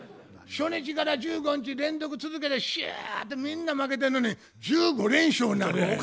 初日から１５日連続続けてしゃっとみんな負けてんのに１５連勝になるで。